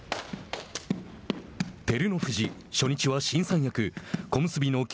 照ノ富士、初日は新三役小結の霧